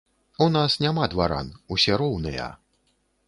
У нас няма дваран, усе роўныя!